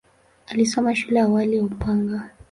Alisoma shule ya awali ya Upanga.